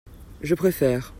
Je préfère.